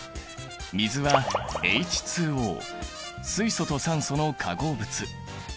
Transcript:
水はＨＯ水素と酸素の化合物。